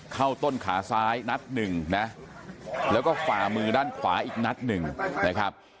เข้าต้นขาซ้ายนัดหนึ่งนะแล้วก็ฝ่ามือด้านขวาอีกนัดหนึ่งนะครับ